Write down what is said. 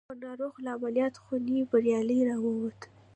خو ناروغ له عملیات خونې بریالی را وووت